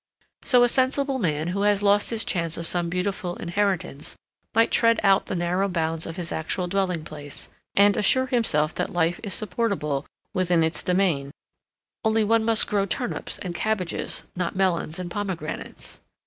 So a sensible man who has lost his chance of some beautiful inheritance might tread out the narrow bounds of his actual dwelling place, and assure himself that life is supportable within its demesne, only one must grow turnips and cabbages, not melons and pomegranates.